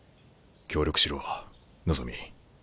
協力しろ望。